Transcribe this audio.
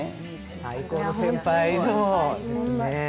最高の先輩ですね。